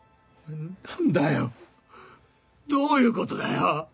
何だよどういうことだよ？